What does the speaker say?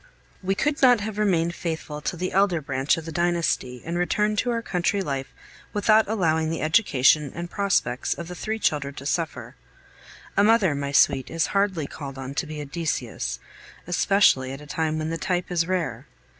We could not have remained faithful to the elder branch of the dynasty and returned to our country life without allowing the education and prospects of the three children to suffer. A mother, my sweet, is hardly called on to be a Decius, especially at a time when the type is rare.